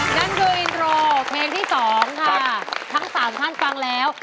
นั่นคืออินโทรเพลงที่๒ค่ะทั้ง๓ท่านฟังแล้ว